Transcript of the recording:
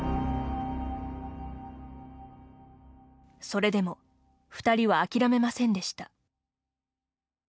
それでも、２人は諦めませんでした。